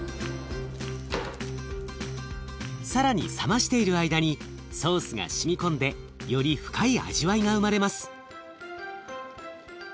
更に冷ましている間にソースがしみ込んでより深い味わいが生まれます。